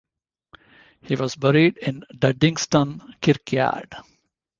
He was buried in Duddingston Kirkyard.